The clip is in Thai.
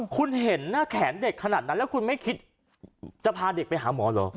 คุณเห็นหน้าแขนเด็กขนาดนั้นแล้วคุณไม่คิดจะพาเด็กไปหาหมอเหรอ